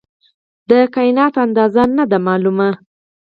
د کائنات اندازه نه ده معلومه.